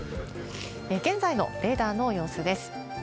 現在のレーダーの様子です。